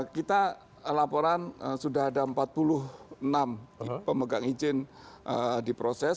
kita laporan sudah ada empat puluh enam pemegang izin diproses